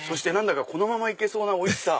このまま行けそうなおいしさ。